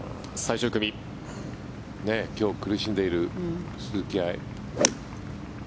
今日苦しんでいる鈴木愛。